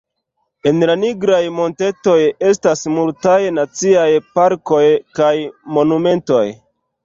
En la Nigraj Montetoj estas multaj naciaj parkoj kaj monumentoj.